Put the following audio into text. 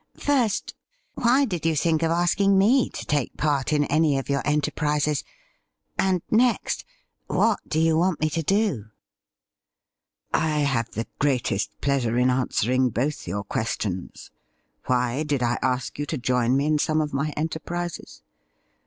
' First, why did you think of asking me to take part in any of your enterprises ; and next, what do you want me to do .P' ' I have the greatest pleasure in answering both your questions. Why did I ask you to join me in some of my enterprises